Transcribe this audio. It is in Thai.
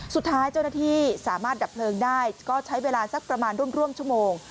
สุดท้ายเจ้าหน้าที่สามารถดับเพลิงได้ก็ใช้เวลาสักประมาณร่วมชั่วโมง